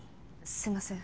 すみません